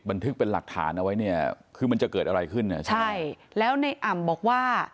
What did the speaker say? บันทึกเป็นหลักฐานเอาไว้เนี่ยคือมันจะเกิดอะไรขึ้นเนี่ยใช่แล้วในอ่ำบอกว่า